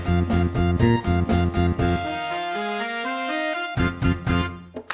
โทษทำไมน้องทำเหมือนกัน